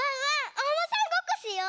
おうまさんごっこしよう！